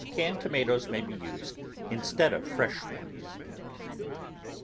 Canned to matoes may be used instead of fresh ones.